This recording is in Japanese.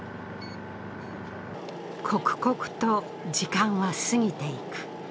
刻々と時間は過ぎていく。